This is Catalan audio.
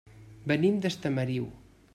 Venim d'Estamariu.